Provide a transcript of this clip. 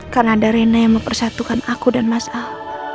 karena ada rena yang mempersatukan aku dan mas al